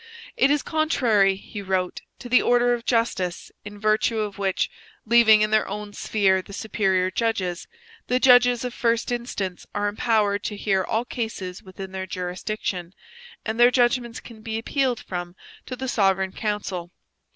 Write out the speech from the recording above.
It is contrary [he wrote] to the order of justice, in virtue of which, leaving in their own sphere the superior judges, the judges of first instance are empowered to hear all cases within their jurisdiction, and their judgments can be appealed from to the Sovereign Council.